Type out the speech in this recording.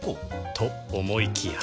と思いきや